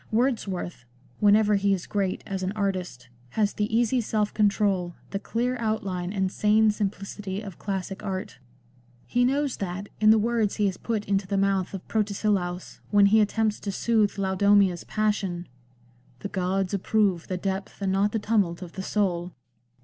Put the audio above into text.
Wordsworth, whenever he is great as an artist, has the easy self control, the clear outline and sane simplicity of classic art. He knows that, in the words he has put into the mouth of Protesilaus when he attempts to soothe Laodomia's passion, " The gods approve The depth, and not the tumult, of the soul."